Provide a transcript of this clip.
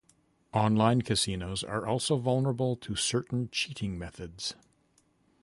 Online casinos are also vulnerable to certain cheating methods.